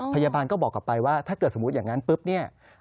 พยาบาลก็บอกกลับไปว่าถ้าเกิดสมมุติอย่างนั้นปุ๊บเนี่ย